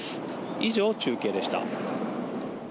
以上、中継でした。